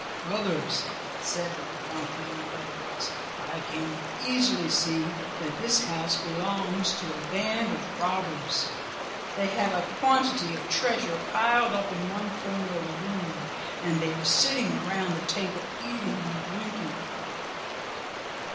"Brothers," said the donkey in a low voice, "I can easily see that this house belongs to a band of robbers. They have a quantity of treasure piled up in one corner of the room, and they are sitting around the table eating and drinking."